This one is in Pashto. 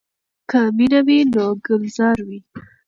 که مینه وي نو ګلزار وي.